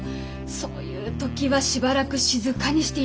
そういう時はしばらく静かにしていた方がいいわよ。